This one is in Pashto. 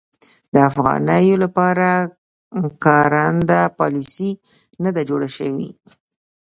د افغانیو لپاره کارنده پالیسي نه ده جوړه شوې.